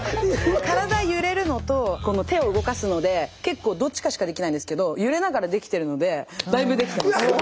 体揺れるのとこの手を動かすので結構どっちかしかできないんですけど揺れながらできてるのでだいぶできてます。